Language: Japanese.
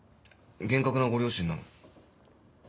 厳格なご両親なの？